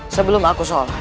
sebelum aku sholat